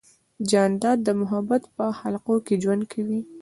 جانداد د محبت په خلقو کې ژوند کوي.